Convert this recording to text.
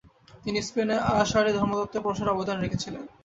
তিনি স্পেনে আশআরি ধর্মতত্ত্বের প্রসারেও অবদান রেখেছিলেন।